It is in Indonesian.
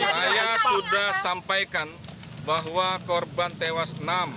saya sudah sampaikan bahwa korban tewas enam